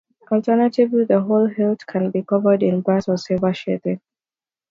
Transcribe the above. Alternatively the whole hilt can be covered in brass or silver sheathing.